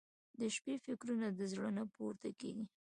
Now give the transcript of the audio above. • د شپې فکرونه د زړه نه پورته کېږي.